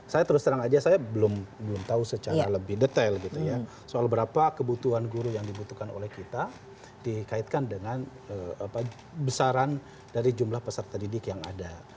saya terus terang saja saya belum tahu secara lebih detail gitu ya soal berapa kebutuhan guru yang dibutuhkan oleh kita dikaitkan dengan besaran dari jumlah peserta didik yang ada